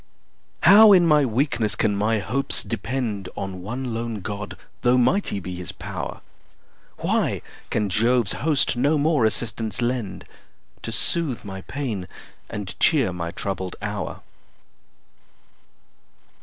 How in my weakness can my hopes depend On one lone God, though mighty be his pow'r? Why can Jove's host no more assistance lend, To soothe my pains, and cheer my troubled hour?